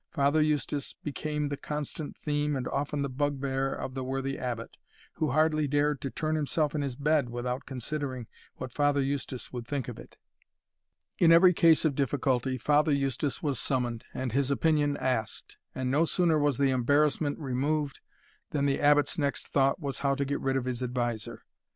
Father Eustace became the constant theme and often the bugbear of the worthy Abbot, who hardly dared to turn himself in his bed without, considering what Father Eustace would think of it. In every case of difficulty, Father Eustace was summoned, and his opinion asked; and no sooner was the embarrassment removed, than the Abbot's next thought was how to get rid of his adviser.